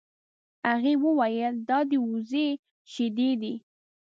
هغې وویل دا د وزې شیدې دي.